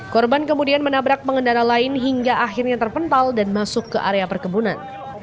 korban kemudian menabrak pengendara lain hingga akhirnya terpental dan masuk ke area perkebunan